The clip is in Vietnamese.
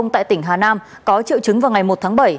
tại tỉnh hà nam có triệu chứng vào ngày một tháng bảy